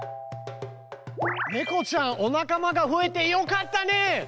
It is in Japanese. ネコちゃんお仲間が増えてよかったね。